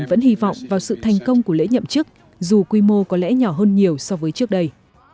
vẫn hy vọng vào sự thành công của lễ nhậm chức dù quy mô có lẽ nhỏ hơn nhiều so với trước đây